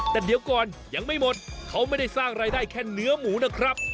แต่เดี๋ยวก่อนยังไม่หมดเขาไม่ได้สร้างรายได้แค่เนื้อหมูนะครับ